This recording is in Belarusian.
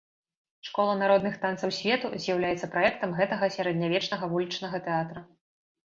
Школа народных танцаў свету з'яўляецца праектам гэтага сярэднявечнага вулічнага тэатра.